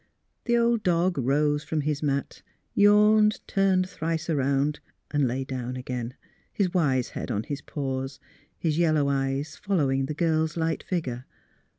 The old dog rose from his mat, yawned, turned thrice around and 204 THE HEART OF PHILURA lay down again, his wise head on Ms paws, his yellow eyes following the girl's light figure.